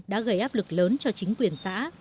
đã gây áp lực lớn cho chính quyền xã